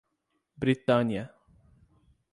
Britânia